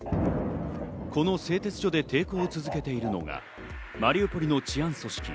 この製鉄所で抵抗を続けているのがマリウポリの治安組織